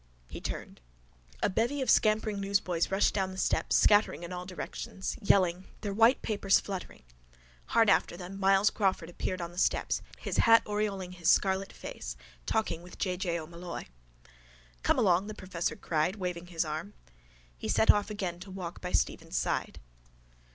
He turned. A bevy of scampering newsboys rushed down the steps, scattering in all directions, yelling, their white papers fluttering. Hard after them Myles Crawford appeared on the steps, his hat aureoling his scarlet face, talking with J. J. O'Molloy. —Come along, the professor cried, waving his arm. He set off again to walk by Stephen's side.